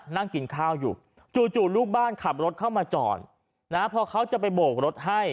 นั่งกินข้าวอยู่จู่ลูกบ้านขับรถเข้ามาจอดนะพอเขาจะไปโบกรถให้